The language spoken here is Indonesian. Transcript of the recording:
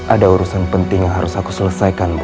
ada urusan penting yang harus aku selesaikan